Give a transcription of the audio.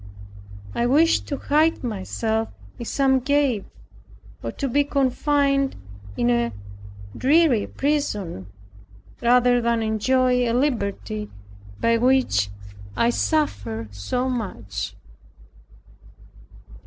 I wished to hide myself in some cave, or to be confined in a dreary prison, rather than enjoy a liberty by which I suffered so much.